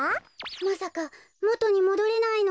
まさかもとにもどれないの？